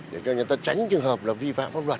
để cho người ta tránh trường hợp là vi phạm pháp luật